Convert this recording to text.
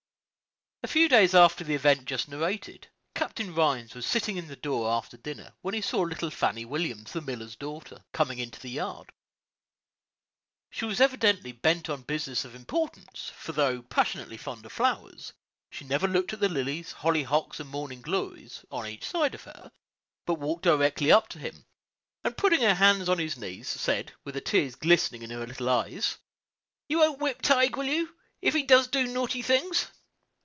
A few days after the event just narrated, Captain Rhines was sitting in the door after dinner, when he saw little Fannie Williams, the miller's daughter, coming into the yard. She was evidently bent on business of importance, for, though passionately fond of flowers, she never looked at the lilies, hollyhocks, and morning glories, on each side of her, but walking directly up to him, and putting both hands on his knees, said, with the tears glistening in her little eyes, "You won't whip Tige, will you, if he does do naughty things?"